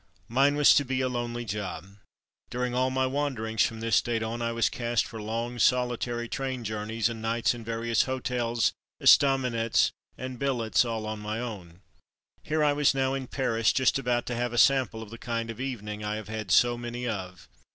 Mine was to be a lonely job. During all my wanderings from this date on I was cast for long, solitary train journeys, and nights in various hotels, estaminets, and billets, all on my own. Here I was now in Paris, just about to have a sample of the kind of evening I have had so many of.